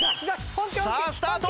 さあスタート！